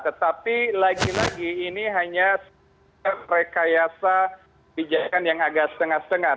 tetapi lagi lagi ini hanya rekayasa bijakan yang agak setengah setengah